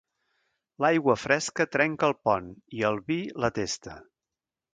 L'aigua fresca trenca el pont, i el vi, la testa.